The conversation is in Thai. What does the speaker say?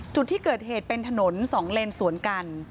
จุดที่เกิดเหตุเป็นถนน๒เลนสวนกัน